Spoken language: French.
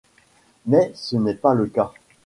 Mais ce n'est pas le cas.